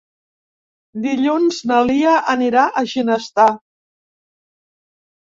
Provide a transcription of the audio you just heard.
Dilluns na Lia anirà a Ginestar.